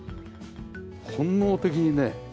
本能的にね。